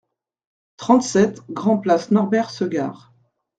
trente-sept grand-Place Norbert Segard